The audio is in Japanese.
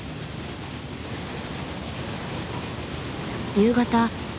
夕方。